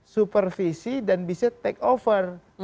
supervisi dan bisa take over